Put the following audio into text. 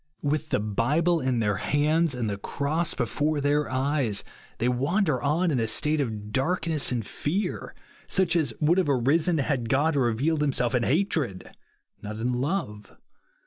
" With the Bible in their hands, and the cross before their eyes, they wander on in a state of darkness and fear, such as would have arisen had God revealed himself in hatred, not in love.